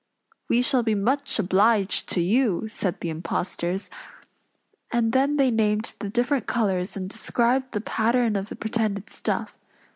"We shall be much obliged to you," said the impostors, and then they named the different colors and described the pattern of the pretended stuff.